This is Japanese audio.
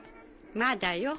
まだよ。